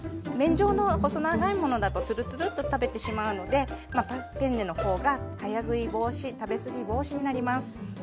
麺状の細長いものだとつるつるっと食べてしまうのでペンネの方が早食い防止食べ過ぎ防止になります。